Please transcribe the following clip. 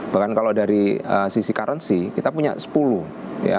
bahkan kalau dari sisi currency kita punya sepuluh ya